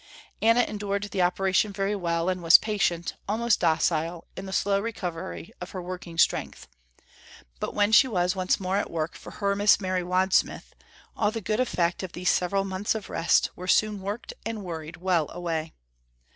Anna endured the operation very well, and was patient, almost docile, in the slow recovery of her working strength. But when she was once more at work for her Miss Mary Wadsmith, all the good effect of these several months of rest were soon worked and worried well away.